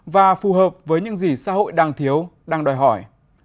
và phù hợp với những gì xã hội đang thiếu đang đòi hỏi